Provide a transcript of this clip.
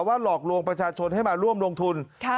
หลอกลวงประชาชนให้มาร่วมลงทุน